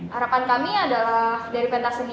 harapan kami adalah dari pentah seni